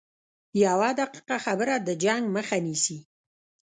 یوه دقیقه خبره د جنګ مخه نیسي